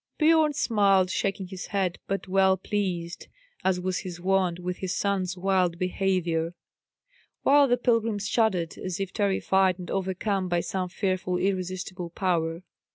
Biorn smiled, shaking his head, but well pleased, as was his wont, with his son's wild behaviour; while the pilgrim shuddered as if terrified and overcome by some fearful irresistible power.